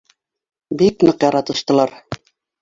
Бик ныҡ яратыштылар